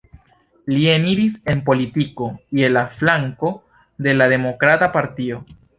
Li eniris en politiko je la flanko de la Demokrata Partio.